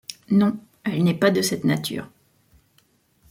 Non, elle n'est pas de cette nature.